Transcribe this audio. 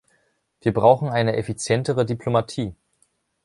Wir brauchen eine effizientere Diplomatie.